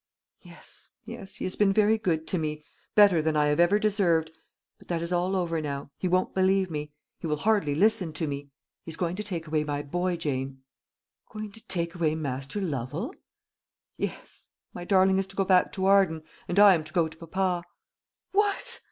"Yes, yes, he has been very good to me better than I have ever deserved; but that is all over now. He won't believe me he will hardly listen to me. He is going to take away my boy, Jane." "Going to take away Master Lovel?" "Yes; my darling is to go back to Arden, and I am to go to papa." "What!"